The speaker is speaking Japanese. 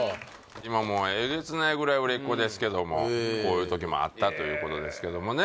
今もうえげつないぐらい売れっ子ですけどもこういう時もあったということですけどもね